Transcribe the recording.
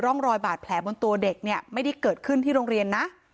ร่องรอยบาดแผลบนตัวเด็กเนี่ยไม่ได้เกิดขึ้นที่โรงเรียนนะ